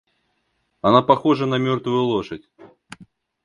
Она похожа на мертвую лошадь.